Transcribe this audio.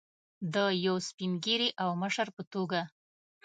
د یو سپین ږیري او مشر په توګه.